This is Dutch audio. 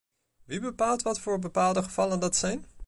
Wie bepaalt wat voor bepaalde gevallen dat zijn?